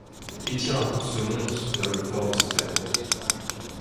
Il tire un coup de semonce vers le fort de Santa Cruz.